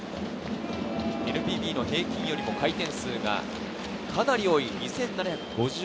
ＮＰＢの平均よりも回転数がかなり多い２７５１。